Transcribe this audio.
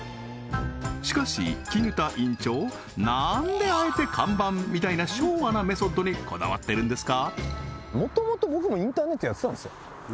しかしきぬた院長何であえて「看板」みたいな昭和なメソッドにこだわってるんですか？